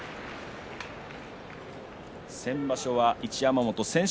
先場所は一山本千秋